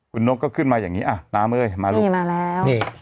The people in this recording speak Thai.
คุณนกก็ขึ้นมาอย่างนี้อ่ะตามเอ้ยมาเลยนี่มาแล้วนี่